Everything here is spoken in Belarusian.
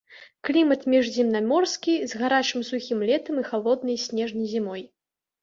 Клімат міжземнаморскі з гарачым сухім летам і халоднай снежнай зімой.